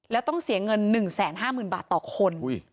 แล้วต้องเสียเงิน๑แสนห้าหมื่นบาทต่อคน